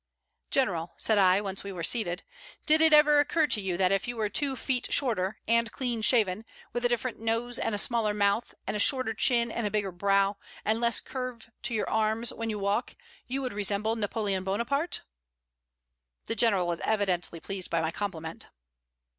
"General," said I, once we were seated, "did it ever occur to you that if you were two feet shorter, and clean shaven, with a different nose and a smaller mouth, and a shorter chin and a bigger brow, and less curve to your arms when you walk, you would resemble Napoleon Bonaparte?" The General was evidently pleased by my compliment.